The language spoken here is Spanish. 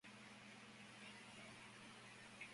Guitarras: Þorsteinn Magnússon.